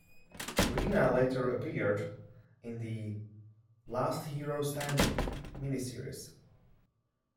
Rina later appeared in the "Last Hero Standing" miniseries.